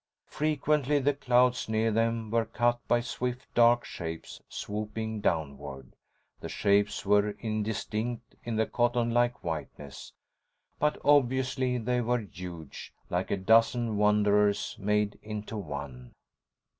Frequently, the clouds near them were cut by swift, dark shapes swooping downward. The shapes were indistinct in the cotton like whiteness, but obviously they were huge, like a dozen Wanderers made into one.